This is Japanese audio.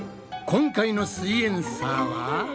今回の「すイエんサー」は？